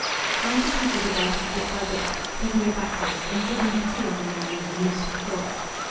Then she considered the letter bit by bit, taking it backwards, and sipping her tea every now and then amidst her thoughts.